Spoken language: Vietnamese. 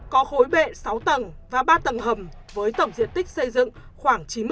có khối bệ sáu tầng và ba tầng hầm với tổng diện tích xây dựng khoảng chín mươi m hai